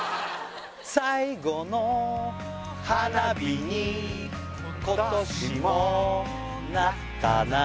最後の花火に今年もなったな